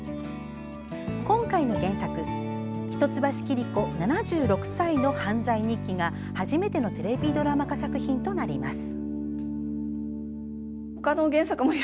今回の原作「一橋桐子の犯罪日記」が初めてのテレビドラマ化作品となります。